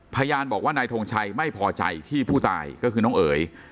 พยานบอกว่านายทงชัยไม่พอใจที่ผู้ตายก็คือน้องเอ๋ย